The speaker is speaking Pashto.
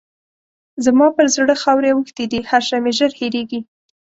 زما پر زړه خاورې اوښتې دي؛ هر شی مې ژر هېرېږي.